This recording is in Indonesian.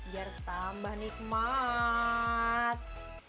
biar tambah nikmat